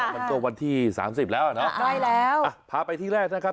วันที่สามสิบแล้วอ่ะเนอะใช่แล้วอ่ะพาไปที่แรกนะครับ